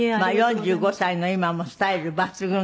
４５歳の今もスタイル抜群。